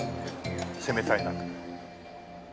攻めたいなと。